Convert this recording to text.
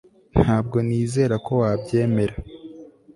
ntabwo nizera ko wabyemera